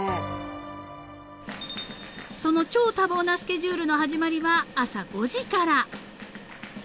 ［その超多忙なスケジュールの始まりは朝５時から］